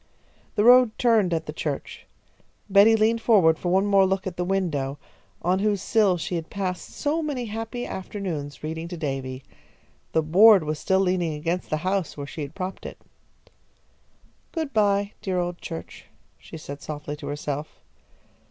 The road turned at the church. Betty leaned forward for one more look at the window, on whose sill she had passed so many happy afternoons reading to Davy. The board was still leaning against the house, where she had propped it. "Good bye, dear old church," she said softly to herself.